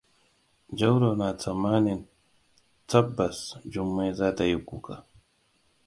Jauro na tsammanin tsabbas Jummai za ta yi kuka.